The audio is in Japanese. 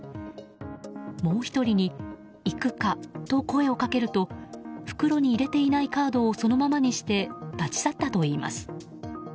もう１人に行くかと声をかけると袋に入れていないカードをそのままにして立ち去ったといいます。